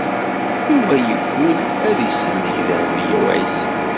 Yuba yeggul ad d-isellek Dehbiya u Ɛisiw.